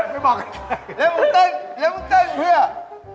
ไม่บอกกันเรียกมุงเต้นเพื่อน